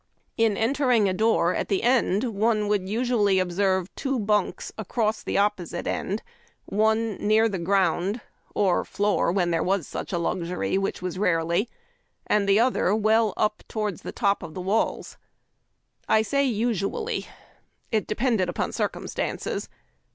In entering a door at the end one would usually observe two bunks across the opposite end, one near the ground (or floor, when there was such a luxury, which was rarely), and the other well up towards the top of the walls. I say, usually. It depended upon circumstances.